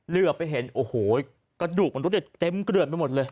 เหลือไปเห็นโอ้โหกระดูกมนุษย์เต็มเกลือดไปหมดเลย